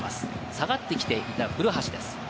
下がってきて古橋です。